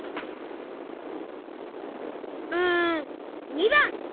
うん②ばん！